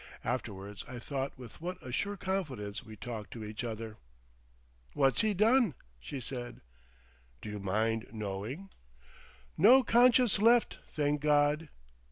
Afterwards I thought with what a sure confidence we talked to each other. "What's he done?" she said. "D'you mind knowing?" "No conscience left, thank God!"